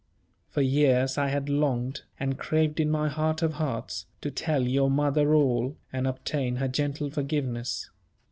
For years I had longed, and craved in my heart of hearts, to tell your mother all, and obtain her gentle forgiveness.